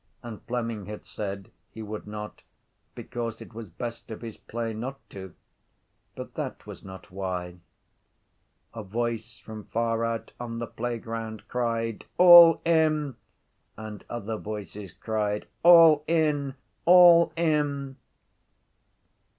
And Fleming had said he would not because it was best of his play not to. But that was not why. A voice from far out on the playground cried: —All in! And other voices cried: —All in! All in!